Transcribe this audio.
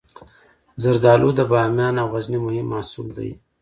زردالو د بامیان او غزني مهم محصول دی.